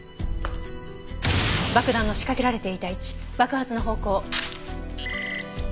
爆弾の仕掛けられていた位置爆発の方向。